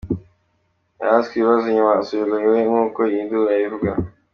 Yahaswe ibibazo nyuma asubira iwe nk’uko iyi nkuru ivuga.